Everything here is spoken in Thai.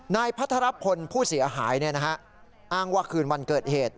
นายพระทรัพย์คนผู้เสียหายอ้างว่าคืนวันเกิดเหตุ